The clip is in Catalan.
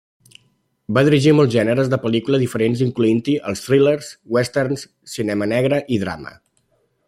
Va dirigir molts gèneres de pel·lícula diferents incloent-hi thrillers, westerns, cinema negre, i drama.